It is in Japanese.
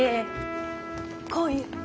こういう。